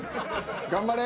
頑張れ。